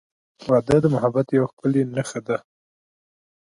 • واده د محبت یوه ښکلی نښه ده.